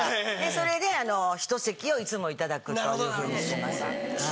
それで一席をいつも頂くというふうにしてます。